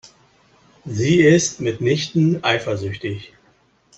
Sie ist mitnichten eifersüchtig.